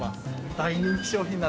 大人気商品。